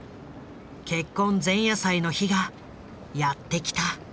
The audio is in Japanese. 結婚前夜祭の日がやってきた。